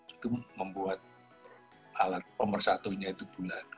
itu membuat alat pemersatu